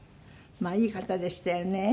まあいい方でしたよね。